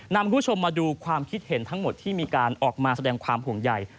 นำคุณผู้ชมมาดูความคิดเห็นทั้งหมดที่มีการออกมาแสดงความห่วงใหญ่